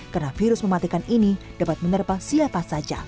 karena virus mematikan ini dapat menerpa siapa saja